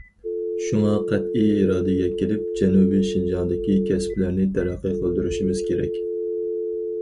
شۇڭا قەتئىي ئىرادىگە كېلىپ، جەنۇبىي شىنجاڭدىكى كەسىپلەرنى تەرەققىي قىلدۇرۇشىمىز كېرەك.